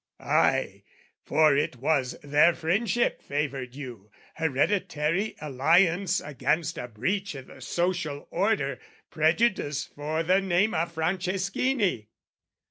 " Ay, for it was their friendship favoured you, "Hereditary alliance against a breach "I' the social order: prejudice for the name "Of Franceschini!"